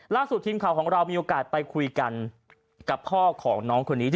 ล่าสุดทีมข่าวของเรามีโอกาสไปคุยกันกับพ่อของน้องคนนี้